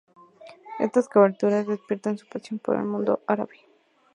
Estas coberturas despiertan su pasión por el Mundo Árabe.